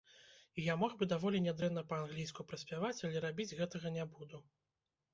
І я мог бы даволі нядрэнна па-англійску праспяваць, але рабіць гэтага не буду.